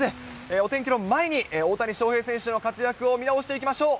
お天気の前に、大谷翔平選手の活躍を見直していきましょう。